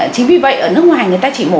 chính vì vậy ở nước ngoài người ta chỉ ngồi